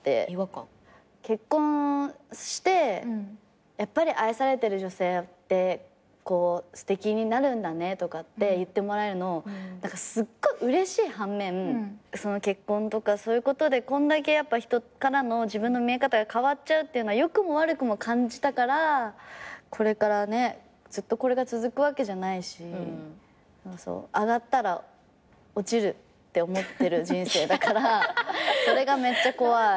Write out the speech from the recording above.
結婚して「やっぱり愛されてる女性ってすてきになるんだね」とかって言ってもらえるのすっごいうれしい半面結婚とかそういうことでこんだけやっぱ人からの自分の見え方が変わっちゃうっていうのは良くも悪くも感じたからこれからねずっとこれが続くわけじゃないし上がったら落ちるって思ってる人生だからそれがめっちゃ怖い。